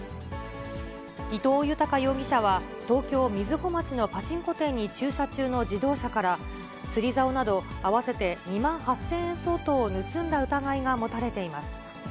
伊藤豊容疑者は、東京・瑞穂町のパチンコ店に駐車中の自動車から、釣りざおなど合わせて２万８０００円相当を盗んだ疑いが持たれています。